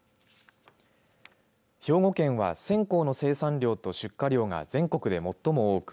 兵庫県は線香の生産量と出荷量が全国で最も多く